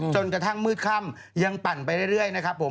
จนกระทั่งมืดค่ำยังปั่นไปเรื่อยนะครับผม